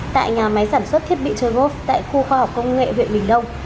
tại nhà máy sản xuất thiết bị chekhov tại khu khoa học công nghệ huyện bình đông